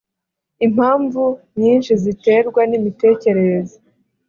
Impamvu nyinshi ziterwa n’imitekerereze